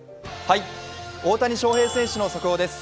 大谷翔平選手の速報です。